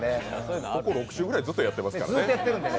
ここ６週ぐらいずっとやってますからね。